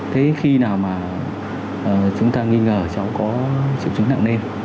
thế khi nào mà chúng ta nghi ngờ cháu có triệu chứng nặng nên